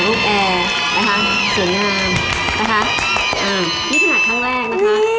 อันนี้ขนาดครั้งแรกนะครับ